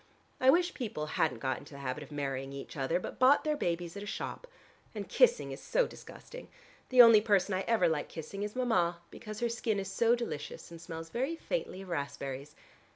I wish people hadn't got into the habit of marrying each other, but bought their babies at a shop instead. And kissing is so disgusting. The only person I ever like kissing is Mama, because her skin is so delicious and smells very faintly of raspberries.